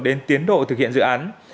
đến tiến độ thực hiện dự án